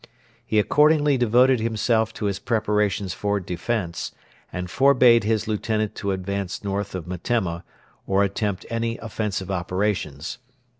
He accordingly devoted himself to his preparations for defence, and forbade his lieutenant to advance north of Metemma or attempt any offensive operations.